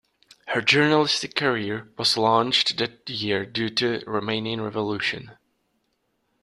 Her journalistic career was launched that year due to the Romanian Revolution.